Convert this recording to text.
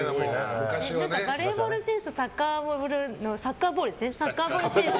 バレーボール選手とサッカーボール選手。